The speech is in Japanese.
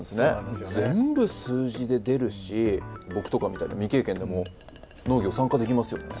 全部数字で出るし僕とかみたいな未経験でも農業参加できますよね。